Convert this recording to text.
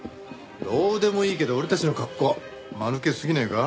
どうでもいいけど俺たちの格好間抜けすぎねえか？